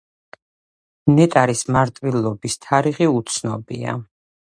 ნეტარის მარტვილობის თარიღი უცნობია.